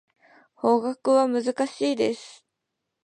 法学は難しいです。